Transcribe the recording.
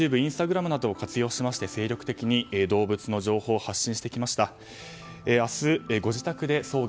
最近もＹｏｕＴｕｂｅインスタグラムを活用して精力的に動物の情報を発信してきました。